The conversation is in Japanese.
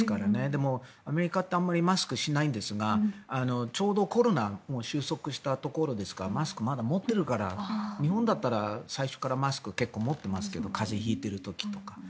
でも、アメリカってあまりマスクをしないんですがちょうどコロナもう収束したところですからマスク、まだ持ってるから日本だったら最初からマスクを結構持っていますけど風邪を引いている時とか。